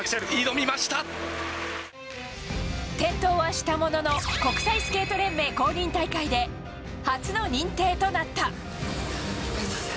転倒はしたものの国際スケート連盟公認大会で初の認定となった。